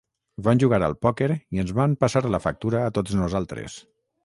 Van jugar al pòquer i ens van passar la factura a tots nosaltres.